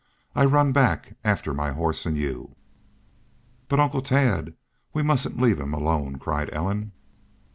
I run back after my horse an' y'u." "But Uncle Tad! ... We mustn't leave him alone," cried Ellen.